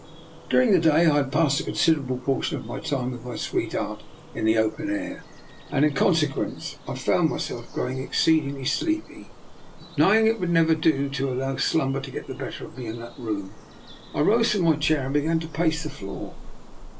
During the day I had passed a considerable portion of my time with my sweetheart in the open air, and, in conse quence, I found myself growing exceedingly sleepy. Knowing it would never do to allow slumber to get the better of me in that room, I rose from my chair and began to pace, the floor.